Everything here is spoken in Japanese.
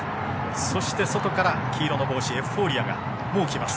そして、外から黄色の帽子エフフォーリアが来ます。